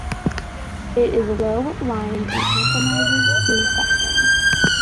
It is low-lying and comprises two sections.